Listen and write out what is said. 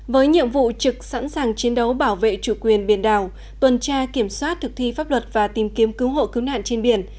với nhiệm vụ trực sẵn sàng chiến đấu bảo vệ chủ quyền biển đảo tuần tra kiểm soát thực thi pháp luật và tìm kiếm cứu hộ cứu nạn trên biển